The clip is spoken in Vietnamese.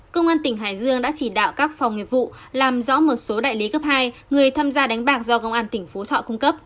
công an tỉnh hải dương đã chỉ đạo các phòng nghiệp vụ làm rõ một số đại lý cấp hai người tham gia đánh bạc do công an tỉnh phú thọ cung cấp